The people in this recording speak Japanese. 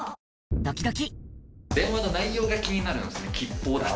電話の内容が気になるんですね？